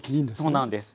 そうなんです。